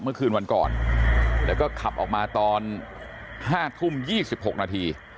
เมื่อคืนวันก่อนแล้วก็ขับออกมาตอน๕ทุ่ม๒๖นาที